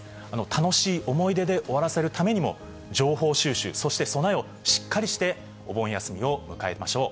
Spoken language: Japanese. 楽しい思い出で終わらせるためにも、情報収集、そして備えをしっかりしてお盆休みを迎えましょう。